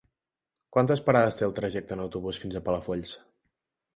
Quantes parades té el trajecte en autobús fins a Palafolls?